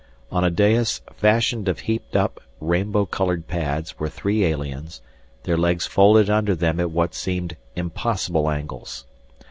On a dais fashioned of heaped up rainbow colored pads were three aliens, their legs folded under them at what seemed impossible angles.